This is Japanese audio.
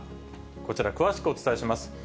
こちら、詳しくお伝えします。